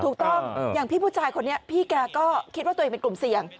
ถูกต้องอย่างพี่ผู้ชายคนนี้พี่แกก็คิดว่าตัวเองเป็นกลุ่มเสี่ยง